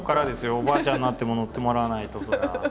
おばあちゃんになっても載ってもらわないとそりゃあ。